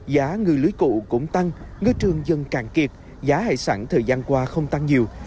giá ngư lưới cụ cũng tăng ngư trường dân càng kiệt giá hải sản thời gian qua không tăng nhiều